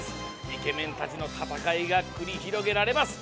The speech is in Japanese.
イケメンたちの戦いが繰り広げられます。